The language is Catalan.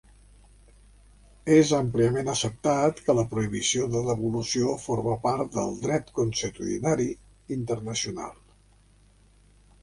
És àmpliament acceptat que la prohibició de devolució forma part del dret consuetudinari internacional.